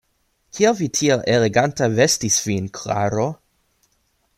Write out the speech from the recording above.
Kial vi tiel elegante vestis vin, Klaro?